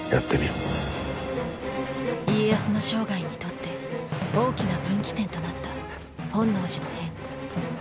家康の生涯にとって大きな分岐点となった本能寺の変。